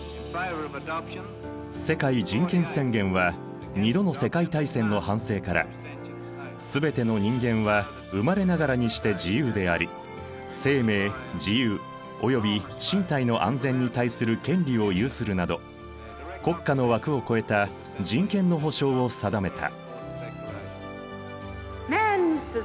世界人権宣言は２度の世界大戦の反省から「すべての人間は生まれながらにして自由であり生命自由及び身体の安全に対する権利を有する」など国家の枠を超えた人権の保障を定めた。